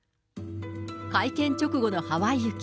会見直後のハワイ行き。